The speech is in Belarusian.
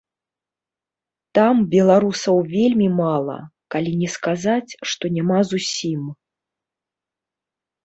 Там беларусаў вельмі мала, калі не сказаць, што няма зусім.